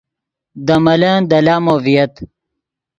دے ملن دے لامو ڤییت